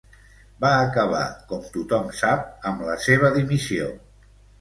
Va acabar, com tothom sap, amb la seva dimissió.